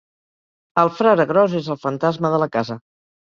El frare gros és el fantasma de la casa.